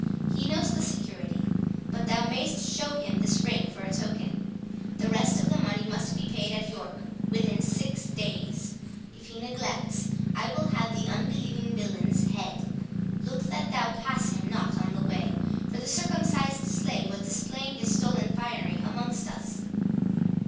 He knows the security; but thou mayst show him this ring for a token. The rest of the money must be paid at York within six days. If he neglects, I will have the unbelieving villain's head. Look that thou pass him not on the way; for the circumcised slave was displaying his stolen finery amongst us."